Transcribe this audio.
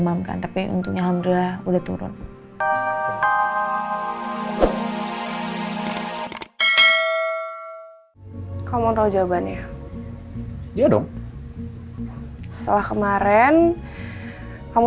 mau kan tapi untungnya alhamdulillah udah turun kamu tahu jawabannya yaudah setelah kemarin kamu